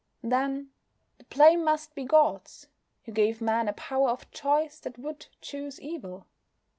Then, the blame must be God's, who gave Man a power of choice that would choose evil.